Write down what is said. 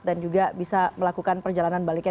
dan juga bisa melakukan perjalanan baliknya